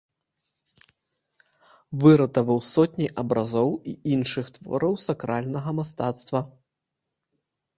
Выратаваў сотні абразоў і іншых твораў сакральнага мастацтва.